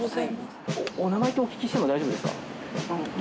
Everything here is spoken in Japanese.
お名前ってお聞きしても大丈夫ですか？